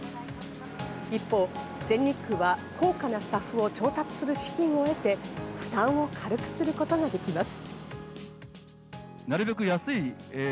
一方、全日空は高価なＳＡＦを調達する資金を得て、負担を軽くすることができます。